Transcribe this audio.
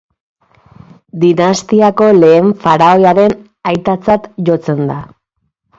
Dinastiako lehen faraoiaren aitatzat jotzen da.